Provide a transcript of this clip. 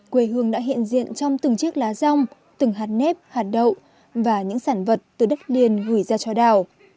quê hương đã hiện diện trong từng chiếc lá rong từng hạt nếp hạt đậu và những sản vật từ đất liền gửi ra cho đảo